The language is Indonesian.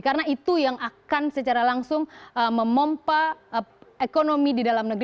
karena itu yang akan secara langsung memompa ekonomi di dalam negeri